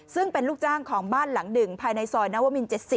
ซึ่งเป็นลูกจ้างของบ้านหลัง๑ภายในซอยนวมิน๗๐